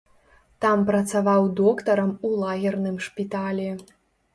Там працаваў доктарам у лагерным шпіталі.